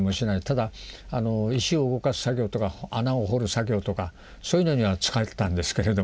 ただ石を動かす作業とか穴を掘る作業とかそういうのには使ってたんですけれども。